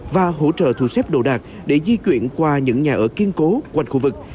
và hỗ trợ thu xếp đồ đạc để di chuyển qua những nhà ở kiên cố quanh khu vực